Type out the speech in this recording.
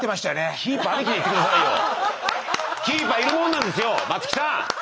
キーパーいるもんなんですよ松木さん！